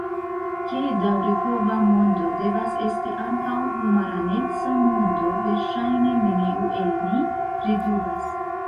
Ke daŭripova mondo devas esti ankaŭ homaraneca mondo, verŝajne neniu el ni pridubas.